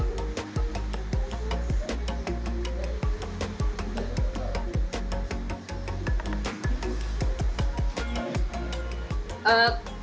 ini enak banget